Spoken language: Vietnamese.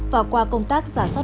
và qua công tác giả sát